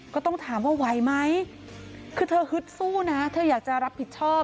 ก็ต้องถามว่าไหวไหมคือเธอฮึดสู้นะเธออยากจะรับผิดชอบ